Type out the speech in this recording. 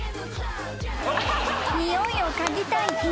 ［においを嗅ぎたい犬］